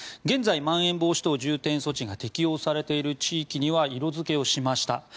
現在、まん延防止等重点措置が適用されている地域には色付けをしました。